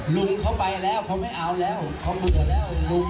ลุงเขาไปแล้วเขาไม่เอาแล้วเขาเบื่อแล้วลุง